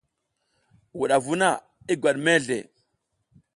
Wudavu na i gwat mezle.